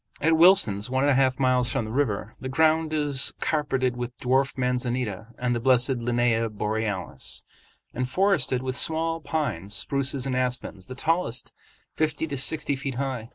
At "Wilson's," one and a half miles from the river, the ground is carpeted with dwarf manzanita and the blessed Linnæa borealis, and forested with small pines, spruces, and aspens, the tallest fifty to sixty feet high.